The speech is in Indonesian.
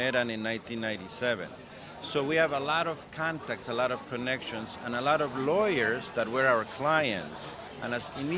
kami memiliki keluarga yang berpengalaman dalam kes ini